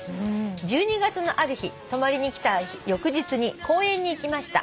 「１２月のある日泊まりに来た翌日に公園に行きました」